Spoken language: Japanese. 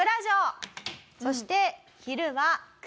そして。